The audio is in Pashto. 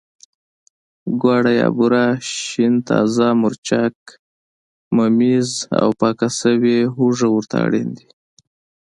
ګوړه یا بوره، شین تازه مرچک، ممیز او پاکه شوې هوګه ورته اړین دي.